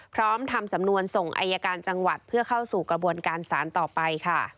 พร้อมทำสำนวนส่งอายการจังหวัดเพื่อเข้าสู่กระบวนการสารต่อไปค่ะ